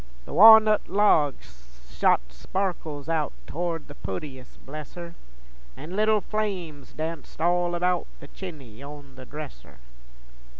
The wa'nut logs shot sparkles out Towards the pootiest, bless her, An' leetle flames danced all about The chiny on the dresser.